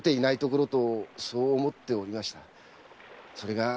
それが。